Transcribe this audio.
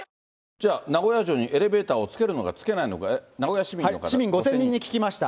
じゃあ、名古屋城にエレベーターをつけるのかつけないのか、名古屋市民の市民５０００人に聞きました。